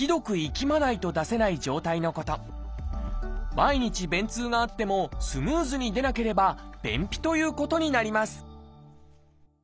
毎日便通があってもスムーズに出なければ便秘ということになります